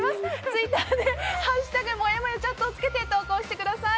ツイッターで「＃もやもやチャット」をつけて投稿してください。